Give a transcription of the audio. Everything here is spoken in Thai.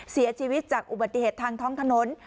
เสียชีวิตจากอุบัติเหตุทางท้องถนน